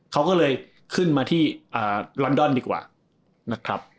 เขาก็เลยขึ้นมาที่ลอนดอนดีกว่านะครับ